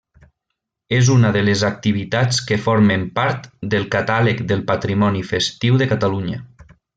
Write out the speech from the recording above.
És una de les activitats que formen part del Catàleg del Patrimoni Festiu de Catalunya.